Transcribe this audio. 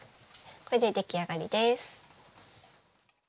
これで出来上がりです。